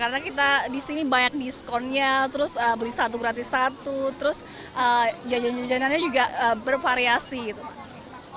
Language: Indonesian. jadi banyak diskonnya terus beli satu gratis satu terus jajan jajanannya juga bervariasi gitu